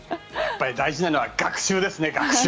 大事なのは学習ですね。